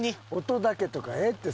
音だけとかええって。